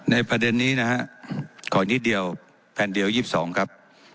ประเด็นนี้นะฮะขอนิดเดียวแผ่นเดียว๒๒ครับ